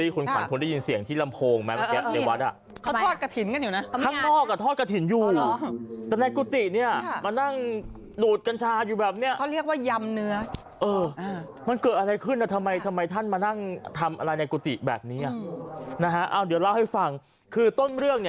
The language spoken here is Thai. คุณมายีคุณสิทธิค่ะหมอเจ้าร่วมภาพของคุณพุทธค่ะเป็นขจัยสองร้อยค่ะ